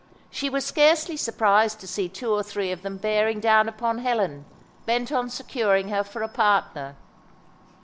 She was scarcely surprised to see two or three of them bearing down upon Helen, bent on securing her for a partner.